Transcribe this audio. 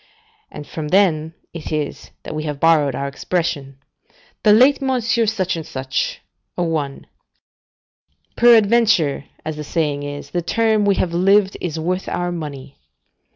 And from them it is that we have borrowed our expression, "The late Monsieur such and such a one." ["feu Monsieur un tel."] Peradventure, as the saying is, the term we have lived is worth our money.